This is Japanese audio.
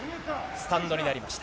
スタンドになりました。